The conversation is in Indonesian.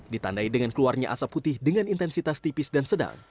ditandai dengan keluarnya asap putih dengan intensitas tipis dan sedang